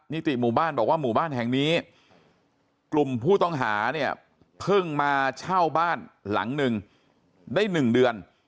ติหมู่บ้านบอกว่าหมู่บ้านแห่งนี้กลุ่มผู้ต้องหาเนี่ยเพิ่งมาเช่าบ้านหลังหนึ่งได้๑เดือน